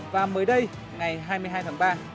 và mới đây ngày hai mươi hai tháng ba